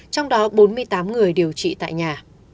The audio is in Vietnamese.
trong đó bốn mươi tám người điều trị tại nhà